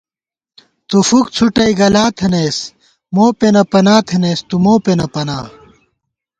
تُو فُک څھُٹَئ گلا تھنَئیس، موپېنہ پنا تھنَئیس تُو مو پېنہ پنا